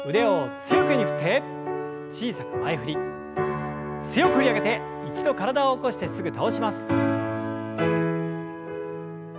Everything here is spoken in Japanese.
強く振り上げて一度体を起こしてすぐ倒します。